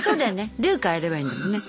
ルー変えればいいんだもんね。